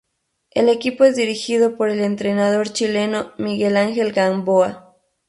El equipo es dirigido por el entrenador chileno Miguel Ángel Gamboa.